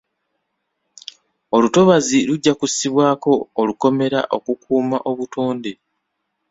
Olutobazi lujja kussibwako olukomera okukuuma obutonde.